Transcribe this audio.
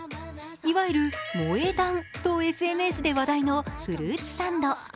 いわゆる萌え断とＳＮＳで話題のフルーツサンド。